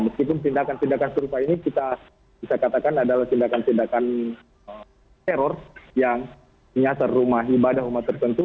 meskipun tindakan tindakan serupa ini kita bisa katakan adalah tindakan tindakan teror yang menyasar rumah ibadah rumah tertentu